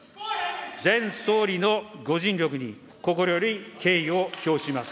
前総理のご尽力に心より敬意を表します。